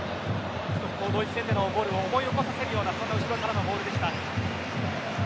ドイツ戦でのゴールを思い起こさせるような後ろからのボールでした。